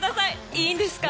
いいんですか？